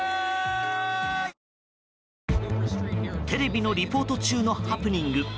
テレビのリポート中のハプニング。